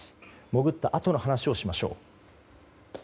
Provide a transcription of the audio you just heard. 潜ったあとの話をしましょう。